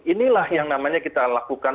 inilah yang namanya kita lakukan